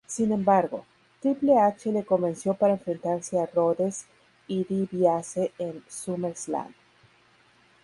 Sin embargo, Triple H le convenció para enfrentarse a Rhodes y DiBiase en SummerSlam.